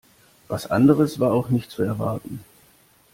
Was anderes war auch nicht zu erwarten.